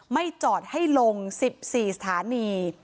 ไม่จอดให้ลง๑๔สถานี